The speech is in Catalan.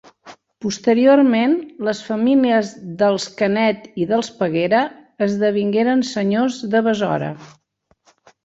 Posteriorment, les famílies dels Canet i dels Peguera esdevingueren senyors de Besora.